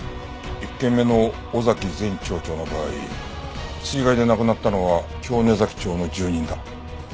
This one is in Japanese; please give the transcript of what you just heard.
１件目の尾崎前町長の場合水害で亡くなったのは京根崎町の住民だ。